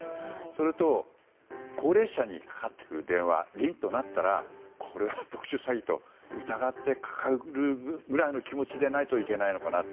それと高齢者にかかってくる電話リンと鳴ったらこれは特殊詐欺と疑ってかかるぐらいの気持ちでないといけないのかなと。